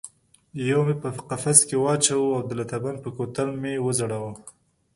یو مې په قفس کې واچاوه او د لته بند پر کوتل مې وځړاوه.